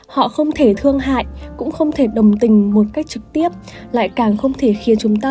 họ không thể thương hại cũng không thể đồng tình một cách trực tiếp lại càng không thể khiến chúng ta